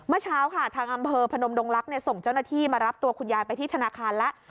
เมื่อเช้าค่ะทางอำเภอพนมดงลักษณ์ส่งเจ้าหน้าที่มารับตัวคุณยายไปที่ธนาคารแล้ว